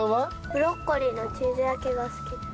ブロッコリーのチーズ焼きが好きです。